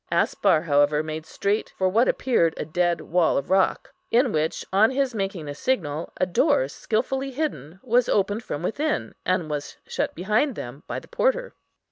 Aspar, however, made straight for what appeared a dead wall of rock, in which, on his making a signal, a door, skilfully hidden, was opened from within, and was shut behind them by the porter.